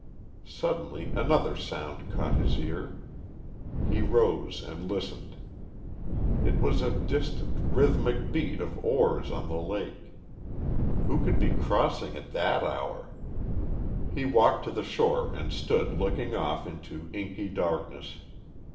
Suddenly another sound caught his ear. He rose and listened. It was a distant, rhythmic beat of oars on the lake. Who could be crossing at that hour? He walked to the shore and stood looking off into inky darkness.